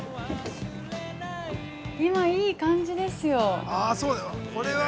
今いい感じですよ。